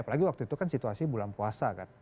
apalagi waktu itu kan situasi bulan puasa kan